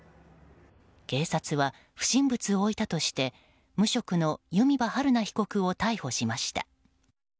警察は不審物を置いたとして無職の弓場晴菜被告を逮捕しました。